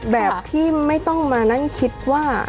แบบที่ไม่ต้องมานั่งคิดว่า